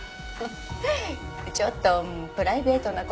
ちょっとプライベートな事で。